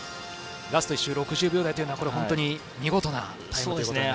ラスト１周が６０秒台というのは本当に見事なタイムです。